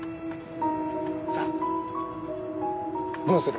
さあどうする？